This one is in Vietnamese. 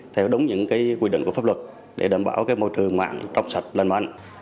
theo đúng những quy định của pháp luật để đảm bảo môi trường mạng rộng sạch lân mạnh